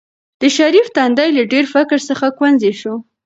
د شریف تندی له ډېر فکر څخه ګونځې شو.